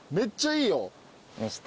見せて。